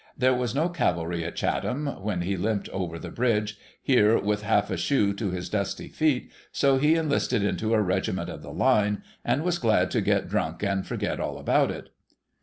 There was no cavalry in Chatham when he limped over the bridge here with half a shoe to his dusty feet, so he enlisted into a regiment of the line, and was glad to get drunk and forget all about it.